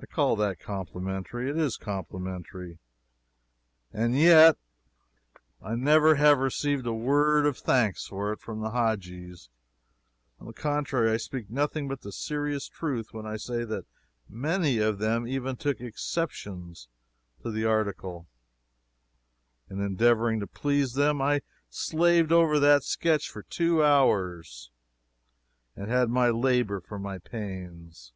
I call that complimentary. It is complimentary; and yet I never have received a word of thanks for it from the Hadjis; on the contrary I speak nothing but the serious truth when I say that many of them even took exceptions to the article. In endeavoring to please them I slaved over that sketch for two hours, and had my labor for my pains.